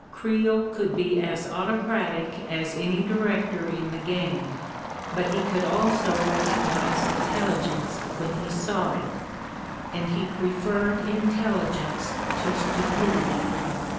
Creel could be as autocratic as any director in the game ; but he could also recognize intelligence when he saw it, and he preferred intelligence to stupidity.